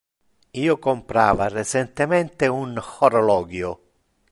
Io comprava recentemente un horologio.